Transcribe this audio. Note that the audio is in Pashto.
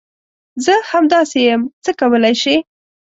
زه همداسي یم ، څه کولی شې ؟